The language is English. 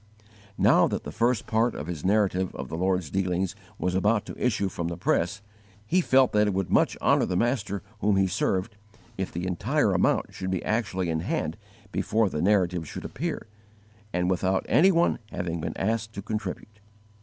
Now that the first part of his Narrative of the Lord's Dealings was about to issue from the press, he felt that it would much honour the Master whom he served _if the entire amount should be actually in hand before the Narrative should appear, and without any one having been asked to contribute.